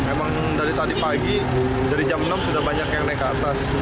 emang dari tadi pagi dari jam enam sudah banyak yang naik ke atas